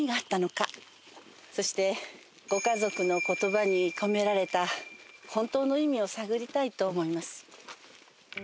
そしてご家族の言葉に込められた本当の意味を探りたいと思います。